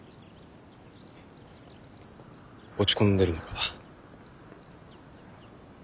落ち込んでるのか？